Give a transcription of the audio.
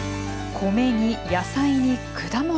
米に野菜に果物。